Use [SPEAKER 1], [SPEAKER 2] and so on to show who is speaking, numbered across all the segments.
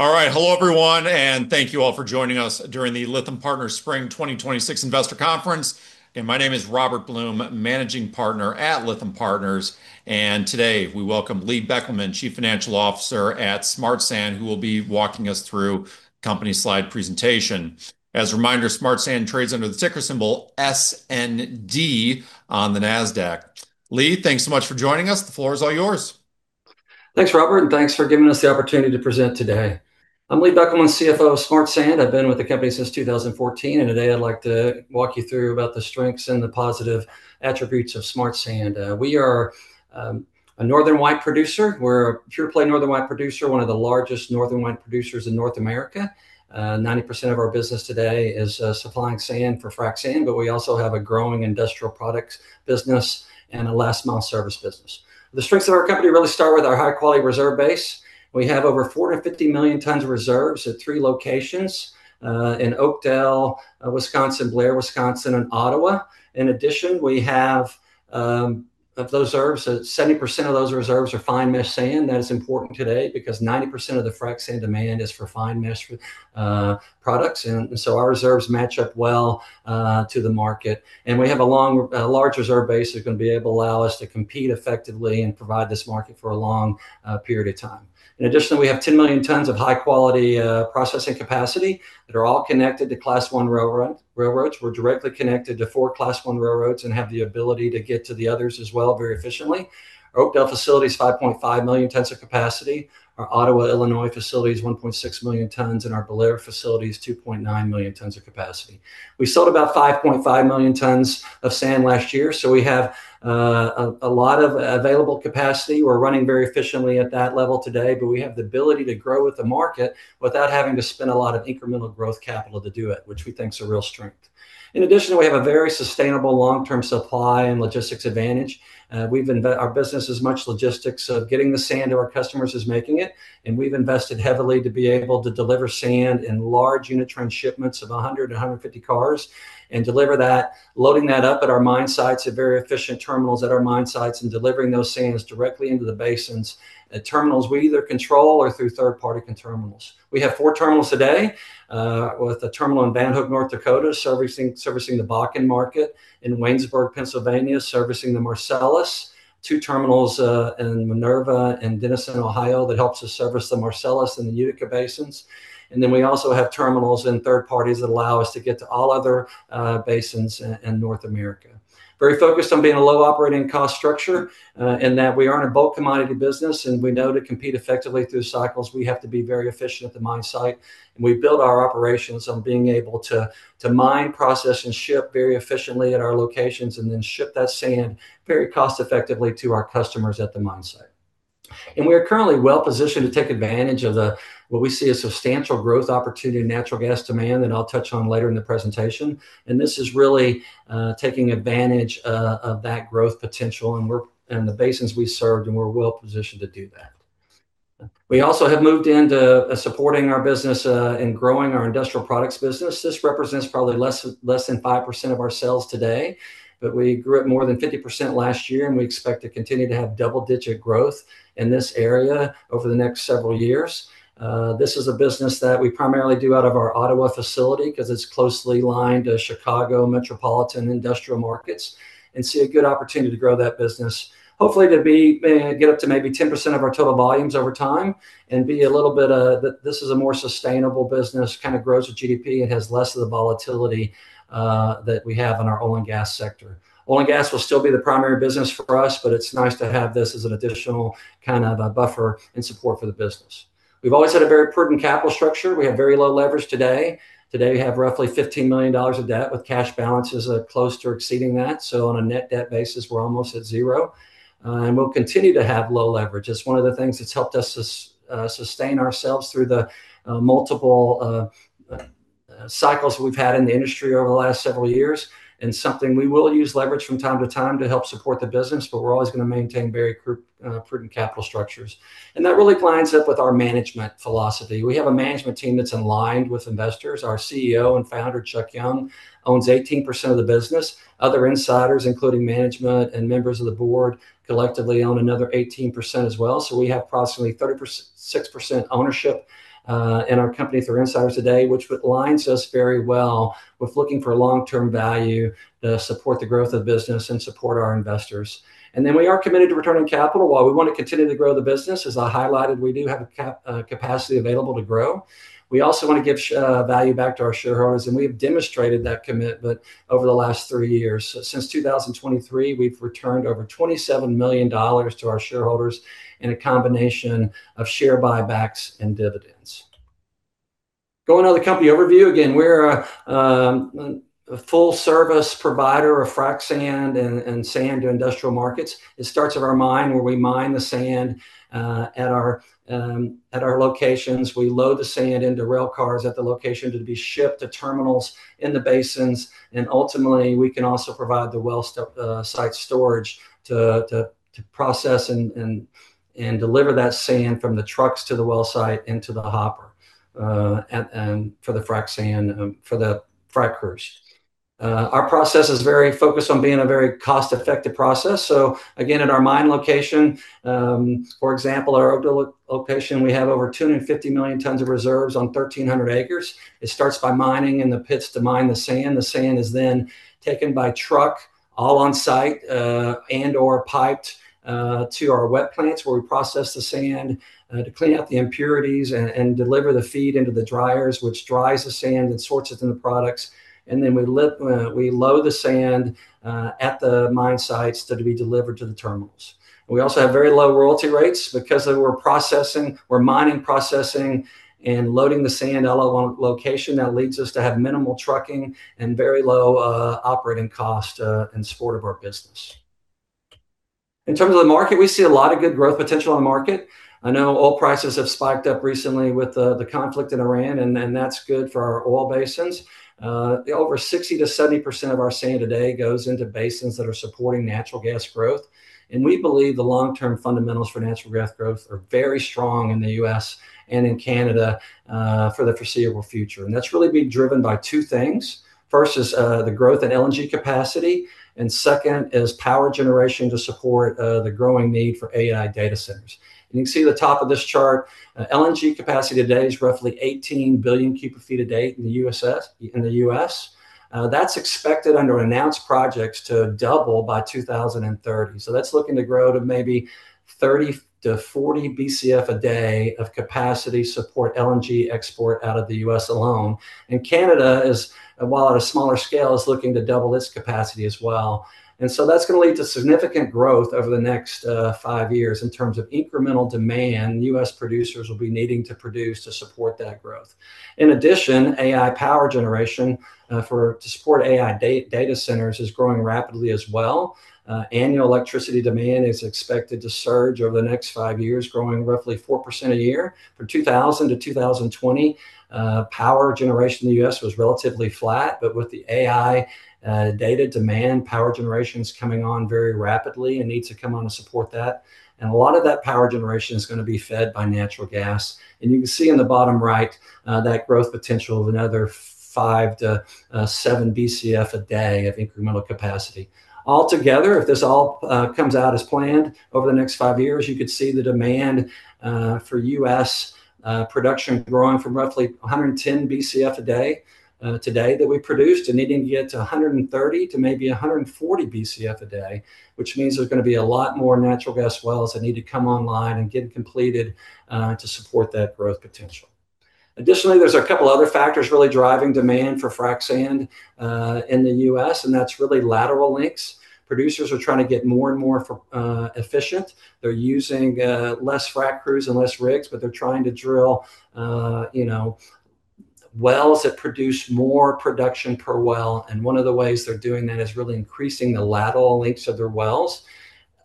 [SPEAKER 1] All right. Hello everyone, thank you all for joining us during the Lytham Partners Spring 2026 Investor Conference. My name is Robert Blum, Managing Partner at Lytham Partners. Today we welcome Lee Beckelman, Chief Financial Officer at Smart Sand, who will be walking us through company slide presentation. As a reminder, Smart Sand trades under the ticker symbol SND on the Nasdaq. Lee, thanks so much for joining us. The floor is all yours.
[SPEAKER 2] Thanks, Robert, and thanks for giving us the opportunity to present today. I'm Lee Beckelman, CFO of Smart Sand. I've been with the company since 2014, and today I'd like to walk you through about the strengths and the positive attributes of Smart Sand. We are a Northern White producer. We're a pure-play Northern White producer, one of the largest Northern White producers in North America. 90% of our business today is supplying sand for frac sand, but we also have a growing industrial products business and a last-mile service business. The strengths of our company really start with our high-quality reserve base. We have over 450 million tons of reserves at three locations, in Oakdale, Wisconsin, Blair, Wisconsin, and Ottawa. In addition, of those reserves, 70% of those reserves are fine mesh sand. That is important today because 90% of the frac sand demand is for fine mesh products. Our reserves match up well to the market. We have a large reserve base that are going to be able to allow us to compete effectively and provide this market for a long period of time. In addition, we have 10 million tons of high-quality processing capacity that are all connected to Class I railroads. We're directly connected to four Class I railroads and have the ability to get to the others as well very efficiently. Our Oakdale facility is 5.5 million tons of capacity. Our Ottawa, Illinois, facility is 1.6 million tons, and our Blair facility is 2.9 million tons of capacity. We sold about 5.5 million tons of sand last year, so we have a lot of available capacity. We're running very efficiently at that level today, but we have the ability to grow with the market without having to spend a lot of incremental growth capital to do it, which we think is a real strength. In addition, we have a very sustainable long-term supply and logistics advantage. Our business is much logistics of getting the sand to our customers as making it, and we've invested heavily to be able to deliver sand in large unit train shipments of 100-150 cars and deliver that, loading that up at our mine sites at very efficient terminals at our mine sites and delivering those sands directly into the basins at terminals we either control or through third-party terminals. We have four terminals today, with a terminal in Van Hook, North Dakota, servicing the Bakken market, in Waynesburg, Pennsylvania, servicing the Marcellus, two terminals in Minerva and Dennison, Ohio, that helps us service the Marcellus and the Utica basins. We also have terminals in third parties that allow us to get to all other basins in North America. Very focused on being a low operating cost structure, in that we are in a bulk commodity business, and we know to compete effectively through cycles, we have to be very efficient at the mine site, and we build our operations on being able to mine, process, and ship very efficiently at our locations, and then ship that sand very cost effectively to our customers at the mine site. We are currently well positioned to take advantage of the, what we see as substantial growth opportunity in natural gas demand, and I'll touch on later in the presentation. This is really taking advantage of that growth potential in the basins we serve, and we're well positioned to do that. We also have moved into supporting our business and growing our industrial products business. This represents probably less than 5% of our sales today, but we grew it more than 50% last year, and we expect to continue to have double-digit growth in this area over the next several years. This is a business that we primarily do out of our Ottawa facility because it's closely lined to Chicago metropolitan industrial markets and see a good opportunity to grow that business, hopefully to get up to maybe 10% of our total volumes over time and be a little bit of a more sustainable business, kind of grows with GDP. It has less of the volatility that we have in our oil and gas sector. Oil and gas will still be the primary business for us, but it's nice to have this as an additional buffer and support for the business. We've always had a very prudent capital structure. We have very low leverage today. Today, we have roughly $15 million of debt, with cash balances close to exceeding that. On a net debt basis, we're almost at zero. We'll continue to have low leverage. It's one of the things that's helped us sustain ourselves through the multiple cycles we've had in the industry over the last several years and something we will use leverage from time to time to help support the business, but we're always going to maintain very prudent capital structures. That really lines up with our management philosophy. We have a management team that's aligned with investors. Our CEO and Founder, Charles Young, owns 18% of the business. Other insiders, including management and members of the board, collectively own another 18% as well. We have approximately 36% ownership in our company through insiders today, which lines us very well with looking for long-term value to support the growth of business and support our investors. We are committed to returning capital. While we want to continue to grow the business, as I highlighted, we do have capacity available to grow. We also want to give value back to our shareholders, and we have demonstrated that commitment over the last three years. Since 2023, we've returned over $27 million to our shareholders in a combination of share buybacks and dividends. Going to the company overview, again, we're a full-service provider of frac sand and sand to industrial markets. It starts at our mine, where we mine the sand at our locations. We load the sand into rail cars at the location to be shipped to terminals in the basins, and ultimately, we can also provide the wellsite storage to process and deliver that sand from the trucks to the wellsite into the hopper for the frac sand, for the frac crews. Our process is very focused on being a very cost-effective process. Again, at our mine location, for example, our Oakdale location, we have over 250 million tons of reserves on 1,300 acres. It starts by mining in the pits to mine the sand. The sand is then taken by truck all on site, and/or piped to our wet plants, where we process the sand to clean out the impurities and deliver the feed into the dryers, which dries the sand and sorts it into products. We load the sand at the mine sites to be delivered to the terminals. We also have very low royalty rates because we're mining, processing, and loading the sand all at one location. That leads us to have minimal trucking and very low operating cost in support of our business. In terms of the market, we see a lot of good growth potential in the market. I know oil prices have spiked up recently with the conflict in Iran, that's good for our oil basins. Over 60%-70% of our sand today goes into basins that are supporting natural gas growth, we believe the long-term fundamentals for natural gas growth are very strong in the U.S. and in Canada for the foreseeable future. That's really being driven by two things. First is the growth in LNG capacity, second is power generation to support the growing need for AI data centers. You can see at the top of this chart, LNG capacity today is roughly 18 billion cubic feet a day in the U.S. That's expected under announced projects to double by 2030. That's looking to grow to maybe 30-40 Bcf a day of capacity support LNG export out of the U.S. alone. Canada, while at a smaller scale, is looking to double its capacity as well. That's going to lead to significant growth over the next five years in terms of incremental demand U.S. producers will be needing to produce to support that growth. In addition, AI power generation to support AI data centers is growing rapidly as well. Annual electricity demand is expected to surge over the next five years, growing roughly 4% a year. From 2000-2020, power generation in the U.S. was relatively flat, but with the AI data demand, power generation's coming on very rapidly and needs to come on to support that. A lot of that power generation is going to be fed by natural gas. You can see in the bottom right that growth potential of another 5-7 Bcf a day of incremental capacity. Altogether, if this all comes out as planned over the next five years, you could see the demand for U.S. production growing from roughly 110 Bcf a day today that we produced and needing to get to 130 to maybe 140 Bcf a day, which means there's going to be a lot more natural gas wells that need to come online and get completed to support that growth potential. Additionally, there's a couple other factors really driving demand for frac sand in the U.S., and that's really lateral lengths. Producers are trying to get more and more efficient. They're using less frac crews and less rigs, but they're trying to drill wells that produce more production per well. One of the ways they're doing that is really increasing the lateral lengths of their wells.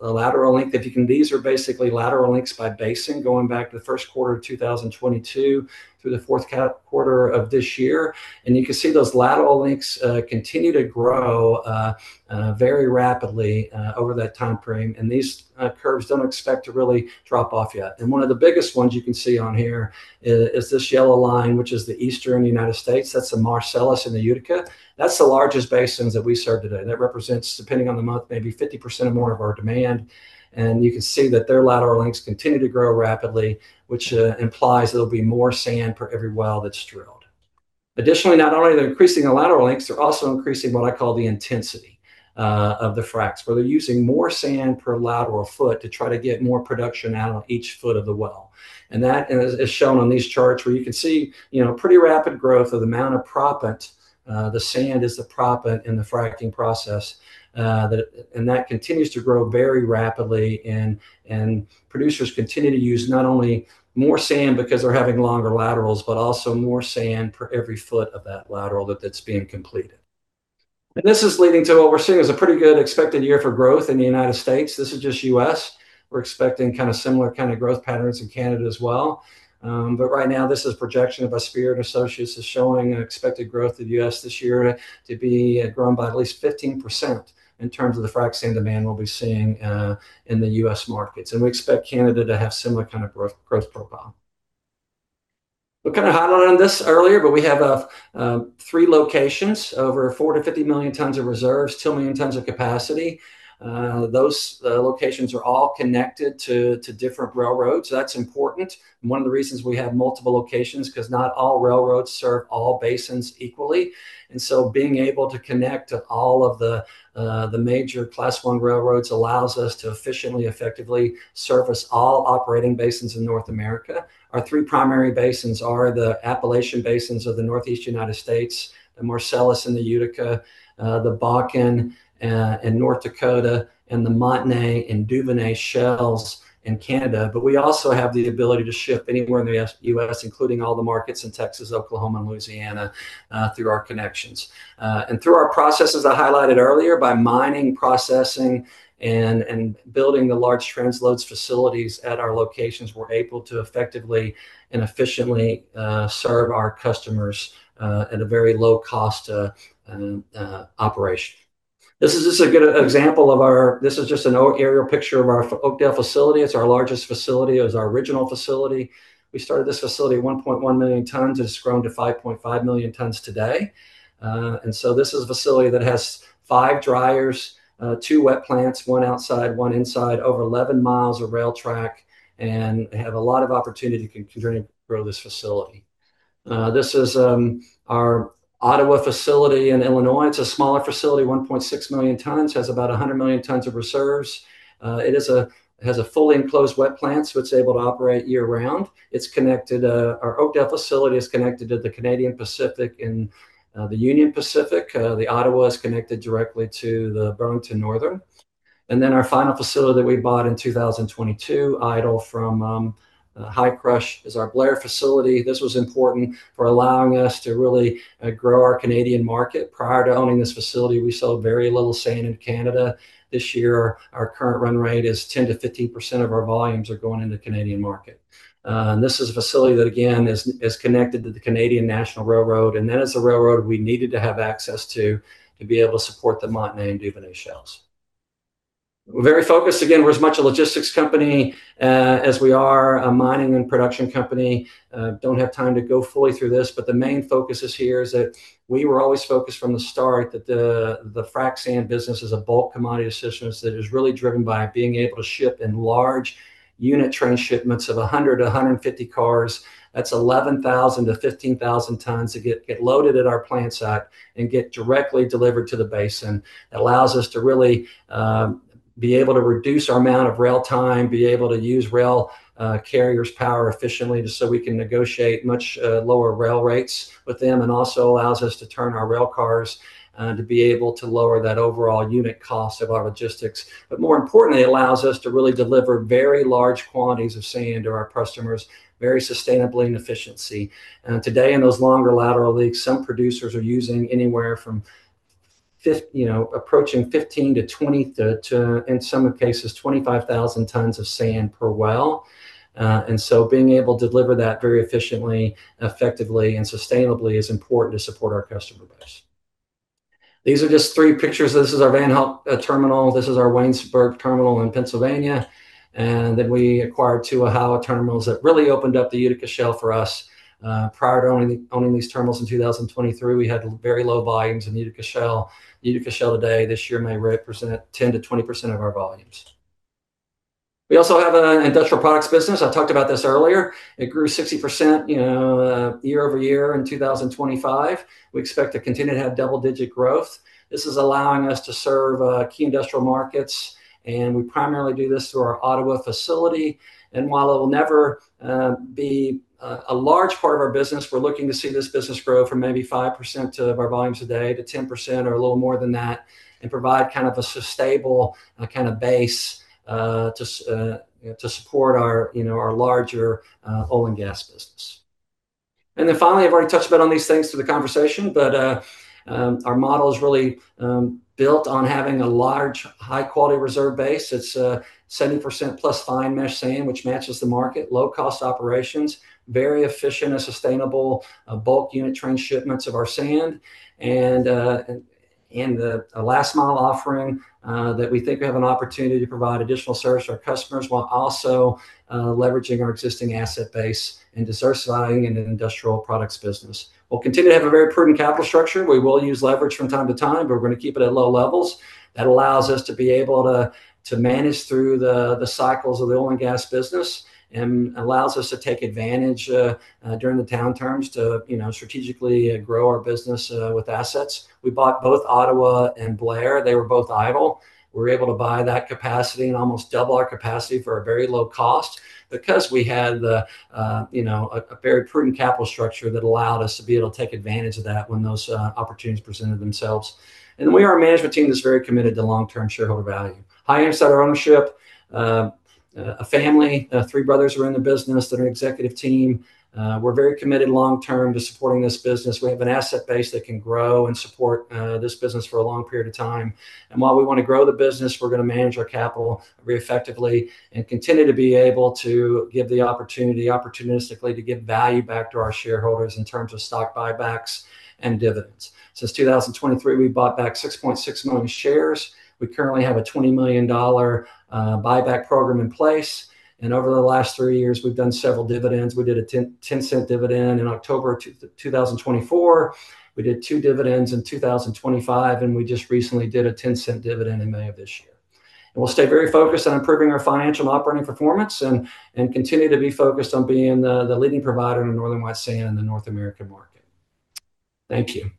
[SPEAKER 2] These are basically lateral lengths by basin going back to the first quarter of 2022 through the fourth quarter of this year. You can see those lateral lengths continue to grow very rapidly over that time frame. These curves don't expect to really drop off yet. One of the biggest ones you can see on here is this yellow line, which is the eastern U.S. That's the Marcellus and the Utica. That's the largest basins that we serve today, and it represents, depending on the month, maybe 50% or more of our demand. You can see that their lateral lengths continue to grow rapidly, which implies there'll be more sand for every well that's drilled. Additionally, not only are they increasing the lateral lengths, they're also increasing what I call the intensity of the fracs, where they're using more sand per lateral foot to try to get more production out of each foot of the well. That is shown on these charts, where you can see pretty rapid growth of the amount of proppant. The sand is the proppant in the fracking process, and that continues to grow very rapidly, and producers continue to use not only more sand because they're having longer laterals, but also more sand per every foot of that lateral that's being completed. This is leading to what we're seeing is a pretty good expected year for growth in the United States. This is just U.S. We're expecting similar kind of growth patterns in Canada as well. Right now, this is a projection of a Spears & Associates is showing an expected growth of U.S. this year to be grown by at least 15% in terms of the frac sand demand we'll be seeing in the U.S. markets. We expect Canada to have similar kind of growth profile. We kind of highlighted this earlier, we have three locations, over 450 million tons of reserves, 2 million tons of capacity. Those locations are all connected to different railroads. That's important, one of the reasons we have multiple locations, because not all railroads serve all basins equally. Being able to connect to all of the major Class I railroads allows us to efficiently, effectively service all operating basins in North America. Our three primary basins are the Appalachian basins of the Northeast United States, the Marcellus and the Utica, the Bakken in North Dakota, and the Montney and Duvernay Shales in Canada. We also have the ability to ship anywhere in the U.S., including all the markets in Texas, Oklahoma, and Louisiana, through our connections. Through our processes I highlighted earlier, by mining, processing, and building the large transload facilities at our locations, we're able to effectively and efficiently serve our customers at a very low cost operation. This is just a good example, this is just an aerial picture of our Oakdale facility. It's our largest facility. It was our original facility. We started this facility at 1.1 million tons, it's grown to 5.5 million tons today. This is a facility that has five dryers, two wet plants, one outside, one inside, over 11 miles of rail track, and they have a lot of opportunity to continue to grow this facility. This is our Ottawa facility in Illinois. It's a smaller facility, 1.6 million tons, has about 100 million tons of reserves. It has a fully enclosed wet plant, so it's able to operate year-round. Our Oakdale facility is connected to the Canadian Pacific and the Union Pacific. The Ottawa is connected directly to the Burlington Northern. Our final facility that we bought in 2022, idle from Hi-Crush, is our Blair facility. This was important for allowing us to really grow our Canadian market. Prior to owning this facility, we sold very little sand in Canada. This year, our current run rate is 10%-15% of our volumes are going into the Canadian market. This is a facility that, again, is connected to the Canadian National Railway, and that is a railroad we needed to have access to be able to support the Montney and Duvernay shales. We're very focused, again, we're as much a logistics company as we are a mining and production company. Don't have time to go fully through this, but the main focuses here is that we were always focused from the start that the frac sand business is a bulk commodity business that is really driven by being able to ship in large unit train shipments of 100-150 cars. That's 11,000-15,000 tons to get loaded at our plant site and get directly delivered to the basin. It allows us to really be able to reduce our amount of rail time, be able to use rail carriers' power efficiently just so we can negotiate much lower rail rates with them, and also allows us to turn our rail cars to be able to lower that overall unit cost of our logistics. More importantly, it allows us to really deliver very large quantities of sand to our customers very sustainably and efficiency. Today, in those longer lateral lengths, some producers are using anywhere from approaching 15-20 to, in some cases, 25,000 tons of sand per well. Being able to deliver that very efficiently, effectively, and sustainably is important to support our customer base. These are just three pictures. This is our Van Hook terminal. This is our Waynesburg terminal in Pennsylvania. We acquired two Ohio terminals that really opened up the Utica Shale for us. Prior to owning these terminals in 2023, we had very low volumes in Utica Shale. Utica Shale today, this year, may represent 10%-20% of our volumes. We also have an industrial products business. I talked about this earlier. It grew 60% year-over-year in 2025. We expect to continue to have double-digit growth. This is allowing us to serve key industrial markets, and we primarily do this through our Ottawa facility. While it will never be a large part of our business, we're looking to see this business grow from maybe 5% of our volumes today to 10% or a little more than that, and provide a stable base to support our larger oil and gas business. Finally, I've already touched a bit on these things through the conversation, our model is really built on having a large, high-quality reserve base. It's 70%+ fine mesh sand, which matches the market. Low-cost operations, very efficient and sustainable bulk unit train shipments of our sand, a last-mile offering that we think we have an opportunity to provide additional service to our customers while also leveraging our existing asset base and diversifying into an industrial products business. We'll continue to have a very prudent capital structure. We will use leverage from time to time, we're going to keep it at low levels. That allows us to be able to manage through the cycles of the oil and gas business, allows us to take advantage during the downturns to strategically grow our business with assets. We bought both Ottawa and Blair. They were both idle. We were able to buy that capacity and almost double our capacity for a very low cost because we had a very prudent capital structure that allowed us to be able to take advantage of that when those opportunities presented themselves. We are a management team that's very committed to long-term shareholder value. High insider ownership. A family, three brothers are in the business that are executive team. We're very committed long term to supporting this business. We have an asset base that can grow and support this business for a long period of time. While we want to grow the business, we're going to manage our capital very effectively and continue to be able to give the opportunity opportunistically to give value back to our shareholders in terms of stock buybacks and dividends. Since 2023, we've bought back 6.6 million shares. We currently have a $20 million buyback program in place, and over the last three years, we've done several dividends. We did a $0.10 dividend in October 2024. We did two dividends in 2025, and we just recently did a $0.10 dividend in May of this year. We'll stay very focused on improving our financial and operating performance and continue to be focused on being the leading provider of Northern White sand in the North American market. Thank you.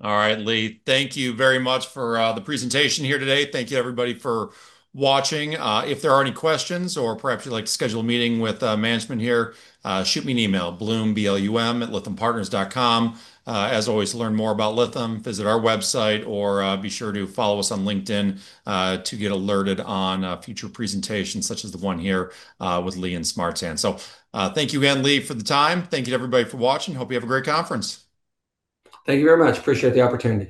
[SPEAKER 1] All right, Lee. Thank you very much for the presentation here today. Thank you, everybody, for watching. If there are any questions or perhaps you'd like to schedule a meeting with management here, shoot me an email, Blum, B-L-U-M, @lythampartners.com. To learn more about Lytham, visit our website or be sure to follow us on LinkedIn to get alerted on future presentations such as the one here with Lee and Smart Sand. Thank you again, Lee, for the time. Thank you to everybody for watching. Hope you have a great conference.
[SPEAKER 2] Thank you very much. Appreciate the opportunity.